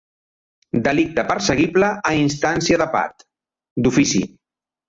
Delicte perseguible a instància de part, d'ofici.